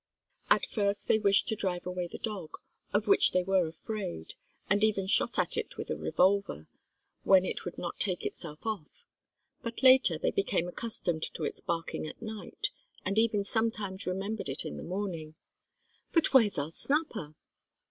At first they wished to drive away the dog, of which they were afraid, and even shot at it with a revolver, when it would not take itself off; but later they became accustomed to its barking at night, and even sometimes remembered it in the morning: "But where's our Snapper?"